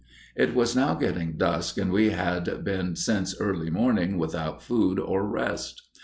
It was now getting dusk and we had been since early morning without food or rest.